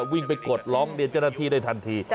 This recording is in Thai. วิ่งไปกดร้องเรียนเจ้าหน้าที่ได้ทันที